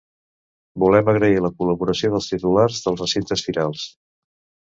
Volem agrair la col·laboració dels titulars dels recintes firals.